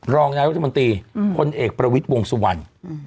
รองนายรัฐมนตรีพลเอกประวิทย์วงสุวรรณ